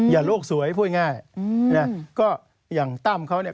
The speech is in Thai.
อย่าโลกสวยพูดง่าย